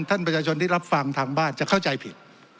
ท่านประชาชนที่รับฟังทางบ้านจะเข้าใจผิด